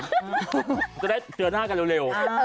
จะได้เจอหน้ากันเร็ว